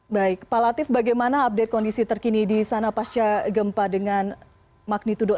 baik pak latif bagaimana update kondisi terkini di sana pasca gempa dengan magnitudo enam